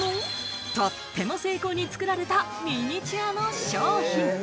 とっても精巧に作られたミニチュアの商品。